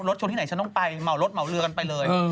ชนที่ไหนฉันต้องไปเหมารถเหมาเรือกันไปเลย